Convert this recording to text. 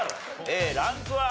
Ａランクは？